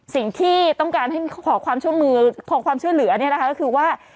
สิ่งที่ต้องการขอความช่วยเหลือเนี่ยนะคะคือว่า